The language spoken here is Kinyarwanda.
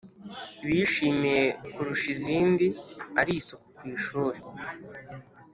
bishimiye kurusha izindi ari isuku ku ishuri